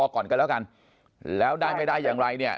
ก่อนกันแล้วกันแล้วได้ไม่ได้อย่างไรเนี่ย